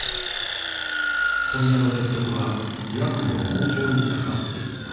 問屋の説得は岩國の交渉にかかっていた。